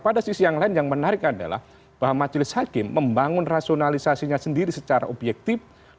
pada sisi yang lain yang menarik adalah bahwa majelis hakim membangun rasionalisasinya sendiri secara objektif